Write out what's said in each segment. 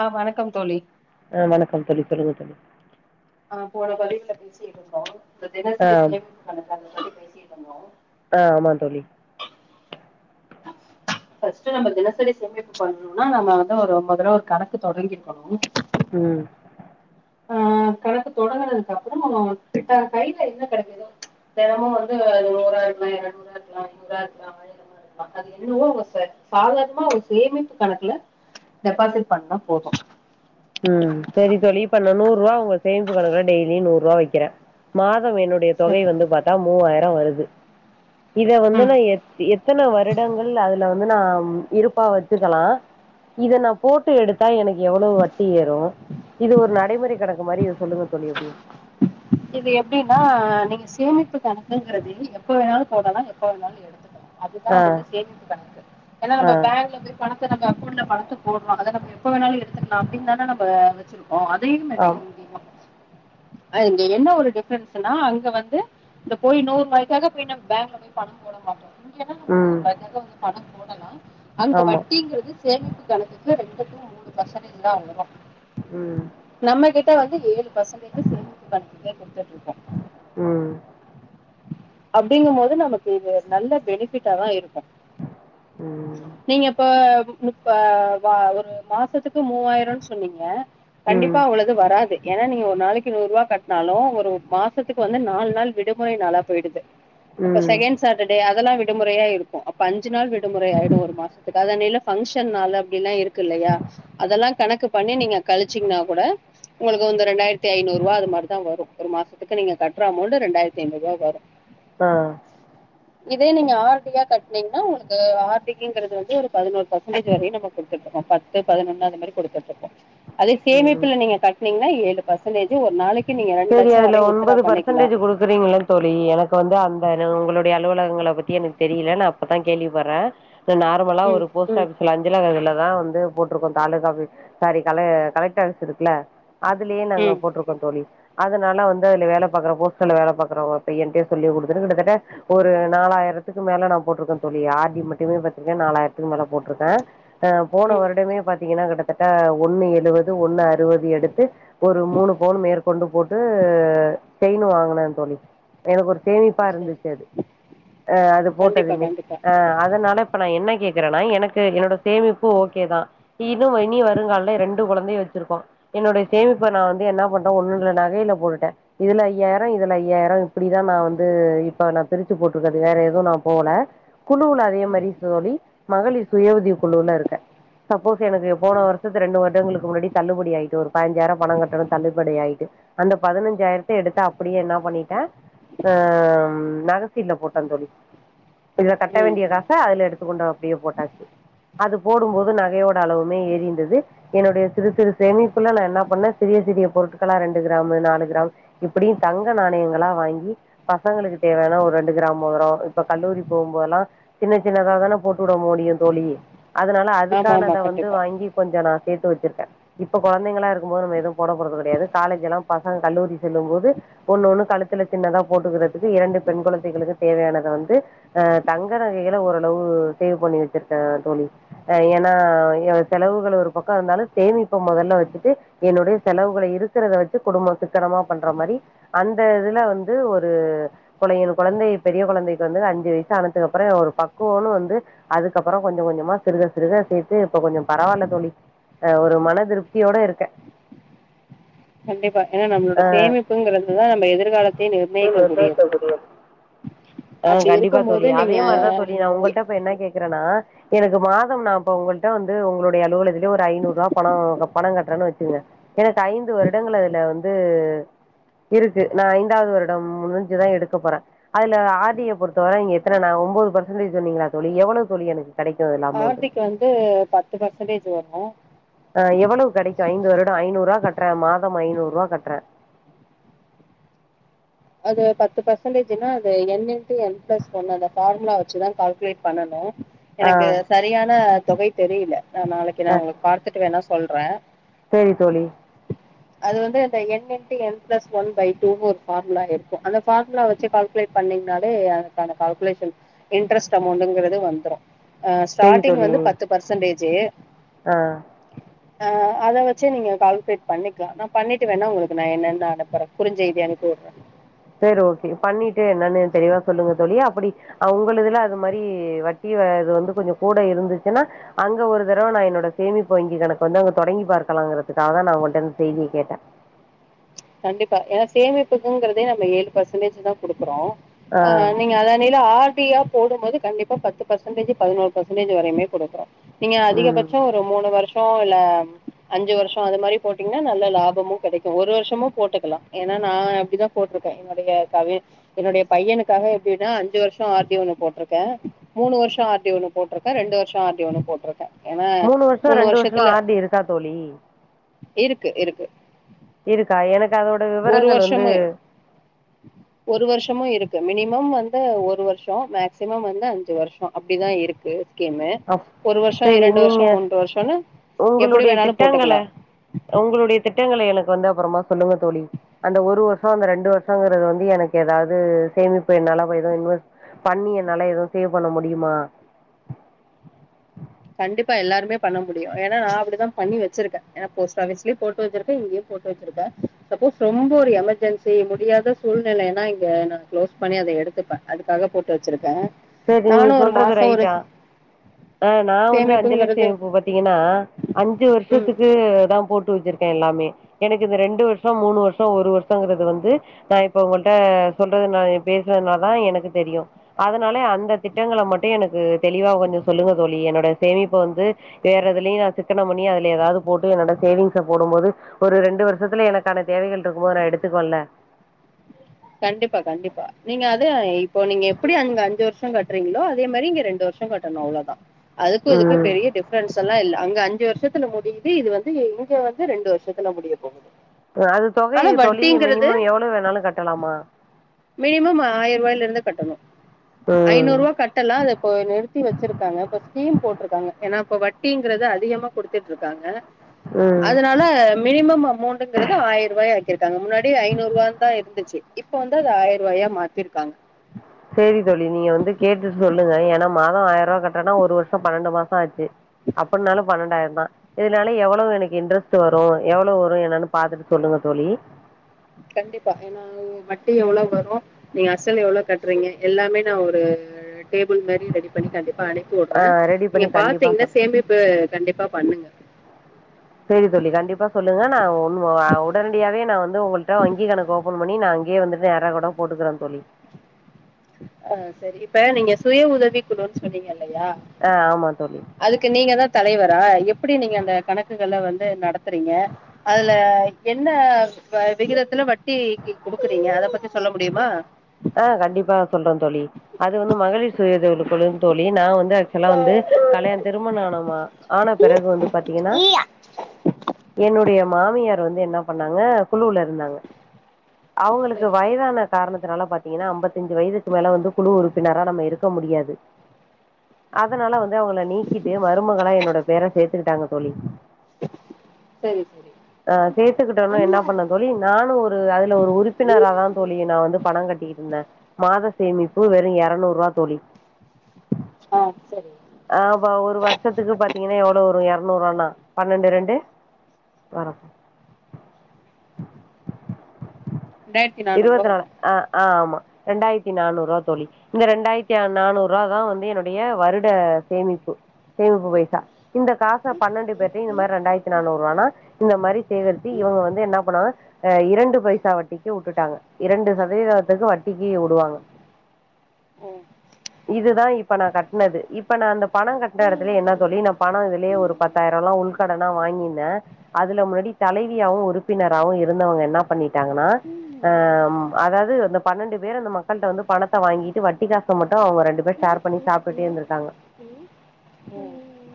ஆ வணக்கம் தோழி ஆ வணக்கம் தோழி சொல்லுங்க தோழி ஆ போன [unintelligible] பேசிட்ருந்தோ ந்த ஆ தினசரி சேமிப்ப பண்ணிப்பாருங்க தோழி பேசிட்ருந்தோ ஆ ஆமாந் தோழி நம் ஃபஸ்டு நம்ப தினசரி சேமிப்பு பன்னோன்னா நம்ம வந்து ஒரு ஒம்பது தடவ ஒரு கணக்கு தொடங்கி இருக்கணு உம் ஆ கணக்கு தொடங்கனதுக்கப்றே நம்மகிட்ட கையில என்ன கெடக்குதோ தெனமும் வந்து நூறாருக்கலா எரநூறாருக்கலா ஐநூறாருக்கலா ஆயிரமா இருக்லா அது என்னவோங்க சர் சாதார்ணமா ஒரு சேமிப்பு கணக்குல டெபாசிட் பண்ணா போது உம் செரி தோழி இப்ப நா நூ ருவா உங்க சேமிப்பு கணக்குல டெய்லியு நூறுவா வக்கிறே மாஸ் சோ என்னுடைய சரி தொகை வந்து பாத்தா மூவாயி தா வருது இத வந்து ம் நா எத் எத்தன வர் வருடங்கள் அதுல வந்து நா இருப்பா வச்சுக்கலா இத நா போட்டு எடுத்தா எனுக்கு எவ்ளோ வட் ட்டி ஏறு இது ஒரு நடைமுறை கணக்கு மாரி இத சொல்லுங்க தோழி எப்டி இது எப்டின்னா நீங்க சேமிப்பு கணக்குங்கறது எப்பவேனாலு போடலா எப்பவேனாலு எடுத்துக்கலா அதுதா ஆ வந்து சேமிப்பு கணக்கு ஏன்னா ஆ நம்ப பேங்க்ல போய் பணத்த நம்ப அக்கௌண்ட்ல பணத்த போட்றோ அத நம்ம எப்ப வேணாலு எடுத்துக்லா அப்பனரடின் தான நம்ப ஓ அதேமாரிதா ஆம் இதையு ஆன் என்ன ஒரு டிஃபரன்ஸ்னா அங்க வந்து இந்த போய் நூர்ருபாய்க்காக போய் நம் பேங்க்ல போய் பணம் போட மாட்டோ ம் இல்லான நம்ம ம் ரூபாய்காக ஒரு பணம் போ ஹலோ அங்க ஆமா வட்டிங்கிறது சேமிப்பு கணக்கு கு ரெண்டு டூ மூணு பர்சன்டேஜ்தா வரோ ம் நம்ம கிட்ட வந்து ஏழு பர்சன்டேஜ் சேமிப் பண்ணிட்டே குடுத்துட்ருப்போ ம் அப்டிங்கும்போது நமக்கு இது நல்ல பெனிஃபிட்டா தா இருக் அ ம் நீங்க இப்ப இப்ப வ ஒரு மாசத்துக் து மூவாயிரோன் சொன்னீங்க கண்டிப்பா ம் அவ்ள இது வராது ஏனா நீங்க ஒரு நாளைக்கி நூருவா கட்னாலு ஒரு மாசத்துக்கு வந்து நால் நாள் விடுமுறை நாளா போயிடுது அப்ப ம் செகண்ட் சாட்டர்டே அதெல்லா வி டுமுறையா இருக்கு அப்ப அஞ் சு நாள் விடுமுறை ஆயிடு ஒரு மாசத்துக்கு அதன்னில ஃபங்கஷன் நாள் அப்டில்லா இருக்கு இல்லயா அதெல்லா கணக்கு பண் னே நீங்க கழிச்சீங்கன்னா கூட உங்களுக்கு வந்து இரண்டாயிரத்தி ஐநூர்ரூவா அது மாரி தா வரு ஒரு மாசத்துக்கு நீங்க கட்ற அமௌண்ட்டு ரெண்டாயிரத்தி ஐநூர்ருவா வரு ஆஹ் இதே நீங்க ஆர் டி யா கட்னீங்ன்னா உங்ளுக்கு ஆர்டிக்கங்றது வந்து ஒரு பதினோரு பர்சன்டேஜ் வரையு நம்ப குடுத்துருக்கோ பத்து பதினொன்னு அந்த மாரி குடுத்துட்ருக்கோ அதே ம் சேமிப்புல நீங்க கட்னீங்ன்னா ஏழு பர்சன்டேஜ் து ஒர் நாளைக் சேரி அதுல ஒன்பது பர்சன்டேஜ் குடுக்குறீங்கள தோழி எனக்கு வந்து அந்த உ உங்களோ டைய அலுவலகங்கள பத்தி எனக்கு தெரியில நா இப்பதா கேள்விப்பட்றே இப்போ நார்மலா ம் ஒரு போஸ்ட் ஆஃபீஸ்லன் இதுல இதுலதா வந்து போட்ருக்கோ தாலுகா ஆபிஸ் சாரி காலே கலெக்டர்ஸ் இருக்குல அதுலயே நாங்க ம் போட்ருக்கோ தோழி அதுனால வந்து அதுல வேல பாக்கற போஸ்டுல்ல வேல பாக்குறவங்க பையன்ட்டே சொல்லி குடுத்துட்டு கிட்டத்தட்ட ஒரு நாலாயிரத்துக்கு மேல நா போட்டிருக்க தோழி ஆர் டி மட்டுமே பாத்தீங்ன்னா நாலாயிரத்துக்கு மேல போட்ருக்க ப போன ம் வருடமே பாத்தீங்கன்னா கிட்ட தட்ட ஒன்னு எழுவ து ஒன்னு அறுவது எடுத்து ஒரு மூணு பவுனு மேற்க் கொண்டு போட்டு செயினு வாங்குனே தோழி எனக்கு ஒரு சேமிப்பா சரி இருந்துச்சு அது ஆ அது கண்டிப்பா போட்டதுமே கண்டிப்பா அ அதனால இப்ப நா என்ன கே கேக்குறேனா எனக்கு என்னோட சேமிப்பு ஓகேதா இன்னு இனி வருங்கால ரெண்டு கொழந்தய வச்சுருக்கோ என்னுடைய சேமிப்பு நா வந்து என்ன பண் ஒண்ணுன்ற நகையில போட்டுட்டே இதுல ஐயாயிரோ இதுல ஐயாயிரோ இப்டிதா நா வந்து இப்ப நா பிரிச்சு போட்டு இருக்குறது வேற எதுவு நா போல குழுவுல அதே ம் மாரி தோழி மகளிர் சுய உதவி குழுல இருக்கே சப் போட் எனக்கு போன ம் வருஷத்து ரெண்டு வருடங்களுக்கு முன்னாடி தள்ளுபடி ஆயிட்டு ஒரு பாஞ்சாயிரோ பணோ கட்டணு தள்ளுபடி படி ஆயிட்டு அந்த பதினஞ்சாயிரத்த எடுத்து அப்புடியே என்ன பண்ணிட்டே அம் நக சீட்ல போட்ட தோழி இதுல கட்ட ம் வேண்டிய ம் காச அதுல எடுத்துக் கொண்டு அப்புடியே போட்டாச்சு அது போடும்போது நகையோட அளவுமே ஏரி இருந்துது என்னுடைய சிறு சிறு சேமிப்புல நா என்ன பண்ணே சிறிய சிறிய பொருட் பொருட்களா ரெண்டு கிராமு நாலு கிராமு இப்டி தங்க நாணயங்களா வாங்கி பசங்களுக்கு தேவையானா ஒரு ரெண்டு கிராம் மோதிரோ இப்ப கல்லூரி போகும்போதெல்லா சின்ன சின்னதா தான போட்டுவுட முடியு தோழி அதனால ஆமா ஆமா அதுக்கானத வந்து கண்டிப்பா வாங்கி கொஞ்ச நா சேத்து வச்சிருக்கே இப்ப கொழந்தைங்களா இருக்குபோது நம்ம எதுவு காலேஜ் எல்லா பசங்க கல்லூரி செல்லும் போது ஒன்னு ஒன்னு கழுத்துல சின்னதா கழுத்துல போட்டுக்கிறதுக்கு இரண்டு பெண் குழந்தைகளுக்கு தேவையானத வந்து ஆ தங்க நகைகளை ஓரளவு சேவு பண்ணி வச்சிருக்கே தோழி ஏனா செலவுகள் ஒரு பக்க இருந்தாலு சேமிப்பு மொதல்ல வச்சுட்டு என்னுடைய செலவுகள இரு இருக்கறத வச்சு குடும்போ சிக்கனமா பண்ற மாரி அந்த இதுல வந்து ஒரு கொழை கொழந்தை பெரிய கொழந்தைக்கு வந்து அஞ்சு வயசு ஆனதுக்கு அப்புற ஒரு பக்குவன்னு வந்து அதுக்கப்புறோ கொஞ்ச கொஞ்சமா சிறுக சிறுக சேத்து இப்ப கொஞ்ச பரவாயில்ல தோழி அ ஒரு மனதிருப்தியோட இருக்க கண்டிப்பா ஏனா நம்மளோட சேமிப்புங்கிறது தா நம்ம எதிர்காலத்தையே நிர்ணயிக்க கூடியது ஆ அப்டி கண்டிப்பா தோழி இருக்கும்போது அதே நீங்க மாரிதா தோழி நா உங்கள்ட்ட இப்ப என்ன கேக்குறேன்னா எனக்கு மாதம் நா இப்ப உங்கள்ட்ட வந்து உங்களுடைய அலுவலத்திலயே ஒரு ஐநூறு ரூபா பணோ பணம் கட்டுறன்னு வச்சுக்கோங்க எனக்கு ஐந் து வருடங்கள் அதுல வந்து இருக்கு நா ஐந்தாவது வருடம் முடிஞ்சுதா எடுக்க போறே அதுல ஆர்டிய பொறுத்த வர ஒன்பதுச் பர்செண்டேஜ் சொன்னிங்கலா தோழி எவ்ளோ தோழி எனக்கு கெடைக்கு அதுல அமௌண்ட் ஆர்டிக் வந்து பத்து பர்சன்டேஜ் வரு ஆ எவ்ளோ கெடைக்கு ஐந்து வருட ஐநூறு று ரூவா கட்றே மாதம் ஐநூறு ரூவா கட்றே அது பத்து பர்சன்டேஜன்னா அது n n to n plus one அந்த பார்முலா வச்சுதா கால்குலேட் பண்ணனு ஆ எனக்கு சரியான தொகை தெரியல நா நாளைக்கு உங்களுக்கு பார்த்துட்டு வேணா சொல்றே செரி தோழி அது வந்து இந்த n into n plus one by two னு ஒரு பார்முலா இருக்கு அந்த பார்முலா வச்சு கால்குலேட் பண்ணீங்கனாலே அதுக்கான கால்குலேஷன் இன்ட்ரெஸ்ட் அமௌண்ட்ங்கிறது வந்துரு அ சேரி ஸ்டார்டிங் தோழி வந்து பத்து பர்சன்டேஜ் ஆ ஆ அத வச்சு நீங்க கால்குலேட் பண்ணி நா பண்ணிட்டு வேணா உங்களுக்கு நா என்னன்ன அனுப்புறே குருஞ் செய்தி அனுப்பி வுடுறே செர் ஓகே பண்ணிட்டு என்னன்னு எனக்கு தெளிவா சொல்லுங்க தோழி அப்படி உங்கள் இதுல அதுமாரி வட்டி அ இது வந்து கொஞ்ச கூட இருந்துச்சுன்னா அங்க ஒரு தரவ நா என்னோட சேமிப்பு வங்கி கணக்கு வந்து அங்க தொடங்கி பார்க்கலாங்கிறதுக்காக தா உங்கள்க்ட்ட இந்த செய்திய கேட்டே கண்டிப்பா ஏனா சேமிப்புங்கறதே நம்ம ஏழு பர்சன்டேஜ் தா குடுக்குறோ ஆ நீங்க அத நில ஆ ஃபீரியா போடும்போது கண்டிப்ப பத்து பர்சன்டேஜ் பதினோரு பர்சன்டேஜ் வைரயுமே கொடுக்கறே நீங்க ம். அதிகபட்ச ஒரு மூணு வருஷ் இல்ல அஞ்சு வருஷோ அது மாரி போட்டீங்கன்னா நல்ல லாபமு கெடைக்கும் ஒரு வருஷமு போட்டுக்கலா ஏன்னா நா அப்டிதா போட்டிருக்கே என்னுடைய கவி என்னுடைய பையனுக்காக எப்டின்னா அஞ்சு வருஷம் ஆர்டி ஒனு போட்ருக்கே மூணு வருஷம் ஆர்டி ஒனு போட்ருக்கே ரெண்டு வருஷோ ஆர்டி ஒனு போட்ருக்கே ஏன்னா மூணு வருஷோ ரெண்டு வருஷோலா ஆர்டி இருக்கா தோழி இருக்கு இருக்கு இருக்கா எனக் ஒரு வருஷமு ஒரு வருஷமு இருக்கு மினிமம் வந் மினிமம் ஒரு வருஷோ மேக்சிமம் வந்து அஞ்சு வருஷோ அப்டிதா இருக்கு ஸ்கீமு அப் ஒரு வருஷோ செரி இரண்டு வருஷோ நீங்க மூன்று வருஷோன்னு எப்டி உங்களுடைய வேணாலு திட்டங்கள போட்டுக்கலா உங்களுடைய திட்டங்கள எனக்கு வந்து அப்புறமா சொல்லுங்க தோழி அந்த ஒரு வருஷோ அந்த ரெண்டு வருஷங்கிறது வந்து எனக்கு ஏதாவது சேமிப்பு என்னால ஏதும் இன்வெஸ்ட் பண்ணி என்னால எதும் சேவ் பண்ண முடியுமா கண்டிப்பா எல்லாருமே பண்ண முடியு ஏனா நா அப்டிதா பண்ணி வச்சிருக்கே ஏனா ஃபோஸ்ட் ஆஃபீஸ்லயு போட்டு வச்சிருக்கே இங்கேயு போட்டு வச்சிருக்கே சப்போஸ் ரொம்ப ஒரு எமர்ஜென்சி முடியாத சூழ்நிலைன்னா இங்க நா க்ளோஸ் பண்ணி அத எடுத்துப்பே அதுக்காக போட்டு வச்சிருக்கே செரி நீங்க நானு ஒரு சொல்றது மாசோ ஒரு ரைட்டா ஆ நா வந்து அஞ்சு சேமிப்புங்கிறது லட்சமைப்பு பாத்தீங்கன்னா அஞ்சு ம் வருஷத்துக்கு தா போட்டு வச்சுரு இருக்கே எல்லாமே எனக்கு இந்த ரெண்டு வருஷோ மூணு வருஷோ ஒரு வருஷோங்கிறது வந்து நா இப்ப உங்கட்ட சொல்றது பேசுறதுனால தா எனக்கு தெரியும் அத னாலே அந்த திட்டங்கள மட்டு எனக்கு தெளிவா கொஞ்சோ சொல்லுங்க தோழி என்னோட சேமிப்ப வந்து வேற எதுலயு நா சிக்கனம் பண்ணி அதுல ஏதாவது போட்டு என்னோட சேவிங்ஸ போடும் போது ஒரு ரெண்டு வருஷத்துல எனக்கான தேவைகள் இருக்கும் போது நா எடுத்துக்குவேல்ல கண்டிப்பா கண்டிப்பா நீங்க அது ஆயி இப்போ நீங்க எப்புடி அங்க அஞ்சு வருஷோ கட்டுறீங்களோ அதேமாரி இங்க ரெண்டு வருஷோ கட்டணு அவ்ளோதா அதுக்கு இதுக்கு ம் பெரிய டிஃபரன்ஸெல்லா இல்ல அங்க அஞ்சு வருஷம் ல முடியுது இது வந்து இங்க வந்து ரெண்டு வருஷத்துல முடிய போகுது அது தொகை ஆனா தோழி வட்டிங்கிறது மினிமம் எவ்ளோ வேணாலு கட்டலா மினிமம் ஆயிர ரூவாயில இருந்து கட்டணு ம் ஐநூறு ரூவா கட்டலா அத இப்போ நிறுத்தி வச்சுருக்காங்க இப்ப ஸ்கீம் போட்டிருக்காங்க ஏன்னா இப்ப வட்டிங்கிறது அதிகமா குடுத்துட்ருக்காங்க ம் அதனால மினிமம் அமௌண்டுங்குறது ஆயிர ரூவாயா ஆக்கிருக்காங்க முன்னாடி ஐநூறு ரூவானுதா இருந்துச்சு இப்ப வந்து அது ஆயிர ரூவாயா மாத்திருக்காங்க சேரி தோழி நீங்க வந்து கேட்டுட் சொல்லுங்க ஏன்னா மாதோ ஆயிர ரூவா கட்டறன்னா ஒரு வருஷோ பன்னண்டு மாசோ ஆயிடுச்சு அப்புன்னாலு பன்னெண்டாயிரோந்தா இதனால எவ்ளவு எனக்கு இன்ட்ரெஸ்ட் வரு எவ்ளவு வரும் என்னன்னு பாத்துட்டு சொல்லுங்க தோழி கண்டிப்பா ஏன்னா வட்டி எவ்ளவு வரு நீங்க அசல் எவ்ளோ கட்டுறீங்க எல்லாமே நா ஒரு டேபிள் மாரி ரெடி பண்ணி கண்டிப்பா ஆ அனுப்பிவுட்றே ரெடி நீங்க பண்ணி கண்டிப்பா பாத்தீங்கன்னா சொல்றேன் சேமிப்பு கண்டிப்பா பண்ணுங்க சரி தோழி கண்டிப்பா சொல்லுங்க நா உன் ஆ உடனடியாவே நா வந்து உங்கள்ட்ட வங்கி கணக்கு ஓபன் பண்ணி நா அங்கேயே வந்துட்டு நேறா கூட போட்டுக்குறே தோழி ஆ சரி இப்ப நீங்க சுய உதவி குழுனு சொன்னீங்கள ல்லயா ஆ ஆமா தோழி அதுக்கு நீங்கதா தலைவரா எப்டி நீங்க அந்த கணக்குகள வந்து நடத் ரீங்க அதுல என் என்ன வ விகிதத்துல வட்டிக்கி குடுக்குறீங்க அத பத்தி சொல்ல முடியுமா அ கண்டிப்பாப் சொல்ற தோழி அது வந்து மகளிர் சுய உதவி குழுனு தோழி நா வந் த ஆக்ஃசுலா வந்து கலயாண திருமண ஆனோமா ஆன பிறகு வந்து பாத்தீங்கனா என்னுட் டு ஏ மாமியார் வந்து என்ன பண்ணாங்க குழுல இருந்தாங்க அவுங்களுக்கு சரி வயதான காரணத் துனால பாத் தீங்கனா ஐம்பத்தஞ்சு வயதுக்கு மேல வந்து குழு உறுப்பினரா நம்ம இருக்க முடியாது அதனால வந்து அவுங்கள நீக்கிட்டு மருமகளா என்னோட பேர சேத்துக்குட்டாங்க தோழி சரி சரி அ சேத்துக்குட்டோன்னா என்ன பண்ணேன் தோழி நானு ஒரு அதுல ஒரு உறுப்பினராதா தோழி நா வந்து பணோ கட்டிக்கிட்டு ந மாதோ சேமிப்பு வெறு எறநூறுருவா தோழி ஆ சரி அ ப ஒரு வர்ஷத்துக்கு பாத்தீங்கன்னா எவ்ளோ வரு எர் நூறானா பண்ணண்டு ரெண்டு பரா ரெண்டாயிரத்தி நானூறுவா இருவத்நால வரும் அ அ ஆமா ரெண்டாயத்தி நானூறுவா தோழி இந்த ரெண்டாயத்தி நானூறா தா வந்து என்னுடைய வருட சேமிப்பு சேமிப்பு பைசா இந்த காச பண்ணண்டு பேர்ட்டயு இந்த மாரி ரெண்டாயர்த்தி நானூறுவானா இந்த மாரி சேகரிச்சி இவுங்க வந்து என்னா பண்ணுவாங்க அ இரண்டு பைசா வட்டி கி உட்டுட்டாங்க இரண்டு சதவீதாதத்துக்கு வட்டிக்கி உடுவாங்க ஓ இதுதா இப்ப நா கட்னது இப்ப நா அந்த பணம் கட்ன எடத்துலே என்னா தோழி நா பணம் இதுலே ஒரு பத்தாயிரம்லா உள்கடனா வாங்கிந்த அதுல முன்னாடி தலைவியாவு உறுப்பினராவு இருந்தவங்க என்ன பண்ணிட்டாங்கனா அம் அதாது அந்த பண்ணண்டு பேர் அந்த மக்கள்ட்ட வந்து பணத்த வாங்கிட்டு வட்டி காச மட் டு அவங்க ரெண்டு பேர் ஷேர் பண்ணி சாப்டுட்டே இருந்துருக்காங்க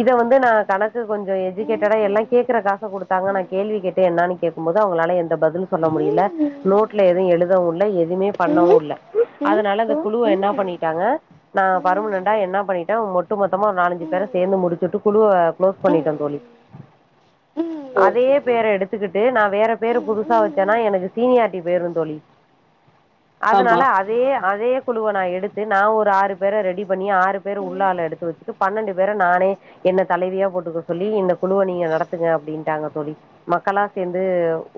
இத வந்து நா கணக்கு கொஞ்சோ எஜிகேட்டடா எல்லா கேக்குற காச குடுத்தாங்க ஆனா கேள்வி கேட் டு என்னானு கேக்கும்போது அவுங்களால எந் ட பதிலு சொல்ல முடியல ட்ல எதும் எழுதவுல்ல எதுமே பண்ணவு இல்ல அதனால அந்த குலுவ என்னா பண்ணிட்டாங்க நா பர்மனன்டா என்னா பண்ணிட்ட ஒட்டு மொத்தமா ஓர் நாலஞ்சி பேர சேந்து முடிச்சுட்டு குலுவ க்ளோஸ் பண்ணிட்ட தோழி ஓ ஓ அதே சரி பேர எடுத்துக்குட்டு நா வேற பேரு புதுசா வச்சேனா எனக்கு சீனியர் டி போய்ருந் தோழி ஆமா அதனால அதே அதே குலுவ நா எடுத்து நா ஒரு ஆறு பேர ரெடி பண்ணி ஆறு பேர உள் ஆள எடுத்து வச்சுட்டு பண்னண்டு பேர நானே என்ன தலைவியா போட்டுக்க சொல்லி இந்த குலுவ நீங்க நடத்துங்க அப்டின்ட்டாங்க தோழி மக்களா சேந்து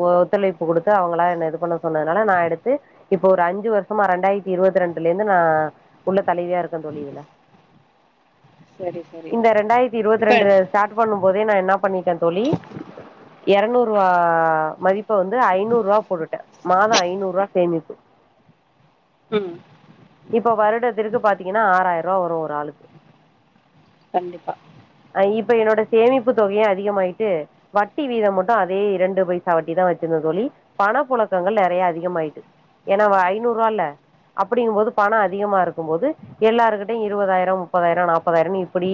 ஓ ஒத்துழைப்பு குடுத்து அவுங்களா என்ன இது பொண்ண சொன்னதுனால நா எடுத்து இப்ப ஒரு அஞ்சு வர்சமா ரெண்டாயித்தி இருவத் ரெண்டுலேந்து நா உள்ள தலைவியா இருக்க தோழி இதுல சரி சரி இந்த ரெண்டாயத்தி இருவத் இப்ப ரெண்டு ஸ்டாட் பண்ணும் போதே நா என்னா பண்ணிட்ட தோழி எரநூறுவா மதிப்ப வந்து ஐநூறுவா போட்டுட்ட மாதோ ஐநூறுவா சேமிப்பு ம் இப்ப வருடத்திற்கு பாத்தீங்கன்னா ஆறாயர்ருவா வரு ஒரு ஆளுக்கு கண்டிப்பா ஐ இப்ப என்னோட சேமிப்பு தொகையு அதிகமாயிட்டு வட்டி வீதம் மட்டும் அதே இரண்டு பைசா வட்டி தா வச்சிருந்த தோழி பண புலக் [unintelligible] நெறைய அதிகம் ஆயிட்டு ஏனா ஐநூறுவால்ல அப்புடிங்கும் போது பணம் அதிமா இருக்கும் போது எல்லாருகிட்டயு இருவதாயிரோ முப்பதாயிரோ நாப்பதாயிரன்னு இப்புடி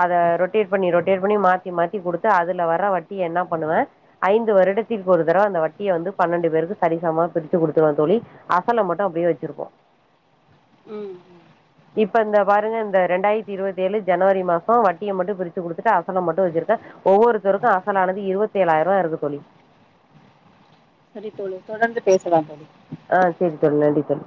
அத ரொட்டேட் பண்ணி ரொட்டேட் பண்ணி மாத்தி மாத்தி குடுத்து அதுல வர வட்டிய என்னா பண்ணுவ ஐந்து வருடத்திற்கு ஒரு தரவ அந்த வட்டிய வந்து பண்னண்டு பேருக்கு சரிசமா பிரிச்சு குடுத்துருவ தோழி அசல மட்டு அப்டே வச்சிருப்போ ம் இப்ப இந்த பாருங்க இந்த ரெண்டாயித்தி இருவத்தேலு ஜனவரி மாசோ வட்டிய மட்டு பிரிச்சு குடுத்துட்டு அசல மட்டு வச்சிருக்க ஒவ்வொருத்தருக்கு அசலானது இருவத்தேலாயர்வா இருக்கு தோழி சரி தோழி தொடர்ந்து பேசலா தோழி அ செரி தோழி நன்றி தோழி